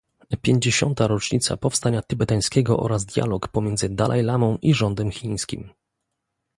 Pięćdziesiąta rocznicza powstania tybetańskiego oraz dialog pomiędzy Dalajlamą i rządem chińskim